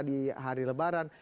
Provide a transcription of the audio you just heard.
di hari lebaran